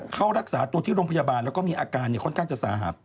เข้ารักษาตัวที่โรงพยาบาลแล้วก็มีอาการค่อนข้างจะสาหัส